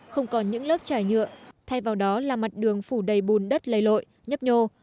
không còn những lớp trài nhựa thay vào đó là mặt đường phủ đầy bùn đất lây lội nhấp nhô